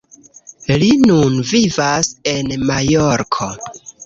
Li nun vivas en Majorko.